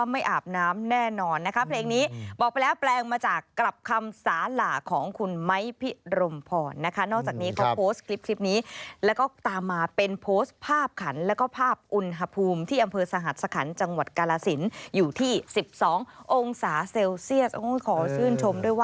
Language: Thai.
ไม่อาบแน่นอนเก็บเลยแล้วไม่อาบน้ำเหรอลูกไปโรงเรียน